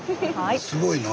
すごいな。